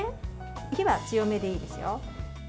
火は強めでいいですよ。